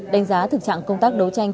đánh giá thực trạng công tác đấu tranh